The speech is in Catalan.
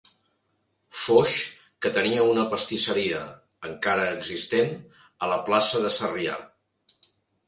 Foix, que tenia una pastisseria, encara existent, a la plaça de Sarrià.